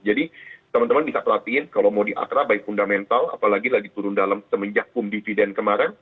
jadi teman teman bisa perhatiin kalau mau di akra buy fundamental apalagi lagi turun dalam semenjak boom dividen kemarin